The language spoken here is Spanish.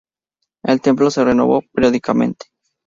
El templo se renovó periódicamente.